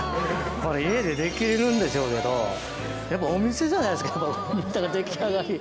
これ家でできるんでしょうけどやっぱお店じゃないですか見た感じ出来上がり。